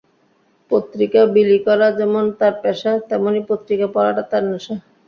পত্রিকা বিলি করা যেমন তাঁর পেশা, তেমনি পত্রিকা পড়াটা তাঁর নেশা।